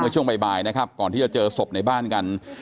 ช่วงบ่ายนะครับก่อนที่จะเจอศพในบ้านกัน